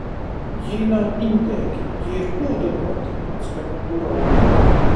"Jī nav iņdeigi, jī ir kūdynōti," atskaņ nu durovu.